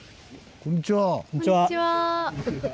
こんにちは。